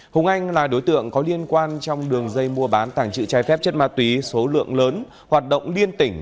hùng anh là đối tượng có liên quan trong đường dây mua bán tàng trự trái phép chất ma túy số lượng lớn hoạt động liên tỉnh